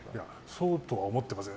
そうとは思ってません。